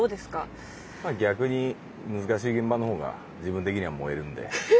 逆に難しい現場のほうが自分的には燃えるんで。